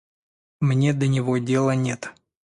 Мне до него дела нет.